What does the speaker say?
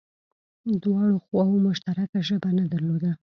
دواړو خواوو مشترکه ژبه نه درلوده